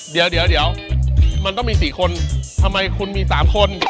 เดี๋ยวเดี๋ยวมันต้องมีสี่คนทำไมคุณมีสามคน